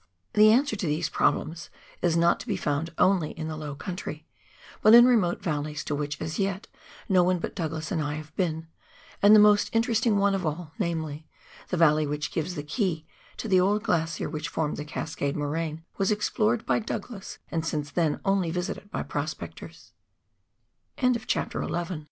The answer to these problems is not to be found only on the low country, but in remote valleys to which as yet no one but Douglas and I have been, and the most interesting one of all, namely, the valley which gives the key to the old glacier which formed the Cascade moraine, was explored by Douglas, and since then only visited by prospe